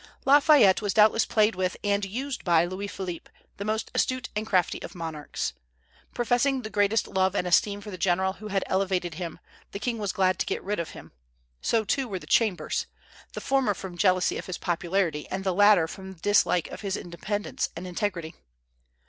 Lafayette was doubtless played with and used by Louis Philippe, the most astute and crafty of monarchs. Professing the greatest love and esteem for the general who had elevated him, the king was glad to get rid of him; so, too, were the Chambers, the former from jealousy of his popularity, and the latter from dislike of his independence and integrity.